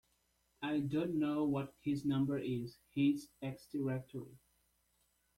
I don't know what his number is: he's ex-directory